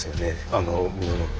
あの。